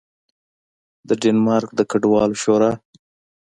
د ډنمارک د کډوالو شورا